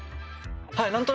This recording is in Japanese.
はい。